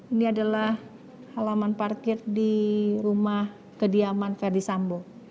ini adalah halaman parkir di rumah kediaman verdi sambo